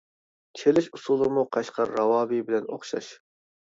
چېلىش ئۇسۇلىمۇ قەشقەر راۋابى بىلەن ئوخشاش.